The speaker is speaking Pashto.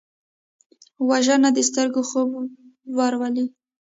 وژنه د سترګو خوب ورولي